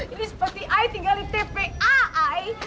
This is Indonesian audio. ini seperti tinggalin tpa ay